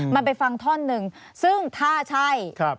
มันไปฟังท่อนหนึ่งซึ่งถ้าใช่